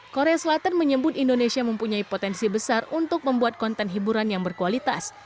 korea selatan menyebut indonesia mempunyai potensi besar untuk membuat konten hiburan yang berkualitas